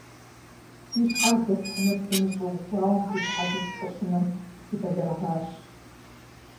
Си щхьэр здэсхьынур сымыщӀэу, гуауэм ситхьэлэу сыкъыщынэм, сыбэлэрыгъащ.